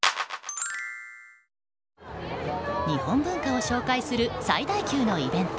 日本文化を紹介する最大級のイベント